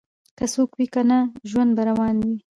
که څوک وي او کنه ژوند به روان وي